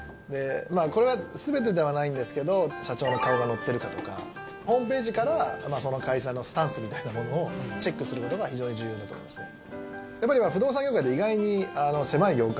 これは全てではないんですけど社長の顔が載ってるかとかホームページからその会社のスタンスみたいなものをチェックすることが非常に重要だと思いますね。